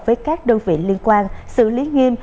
với các đơn vị liên quan xử lý nghiêm